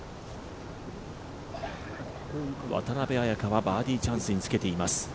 渡邉彩香はバーディーチャンスにつけています。